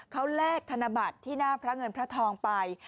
เขาแลกธนบัตรที่หน้าพระเงินพระทองไป